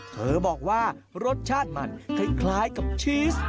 เธอบอกว่ารสชาติมันคล้ายกับชีส